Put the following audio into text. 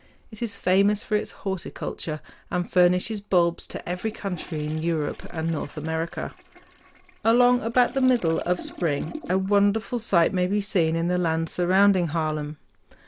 It is famous for its horticulture, and furnishes bulbs to every country in Europe and North America. Along about the middle of spring a wonderful sight may be seen in the lands surrounding Haarlem.